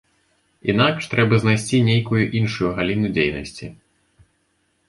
Інакш трэба знайсці нейкую іншую галіну дзейнасці.